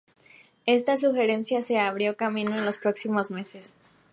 Esta sugerencia se abrió camino en los próximos meses.